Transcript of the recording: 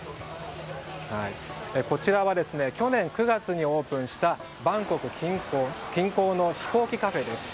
こちらは去年９月にオープンしたバンコク近郊の飛行機カフェです。